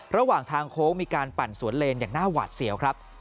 ระหว่างทางโค้งมีการปั่นสวนเลนอย่างน่าหวาดเสียวครับ